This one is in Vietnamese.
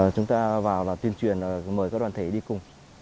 chúng ta vào là tuyên truyền mời các đoàn thể đi cùng